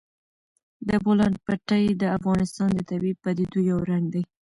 د بولان پټي د افغانستان د طبیعي پدیدو یو رنګ دی.